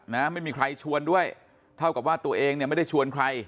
นะไม่มีใครชวนด้วยเท่ากับว่าตัวเองเนี่ยไม่ได้ชวนใคร